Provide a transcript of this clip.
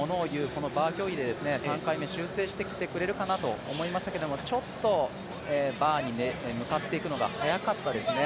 このバー競技で３回目、修正してきてくれるかなと思いましたけどちょっとバーにもっていくのが早かったですね。